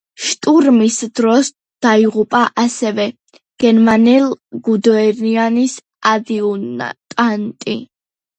შტურმის დროს დაიღუპა, ასევე, გენერალ გუდერიანის ადიუტანტი.